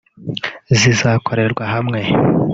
zizakorerwa hamwe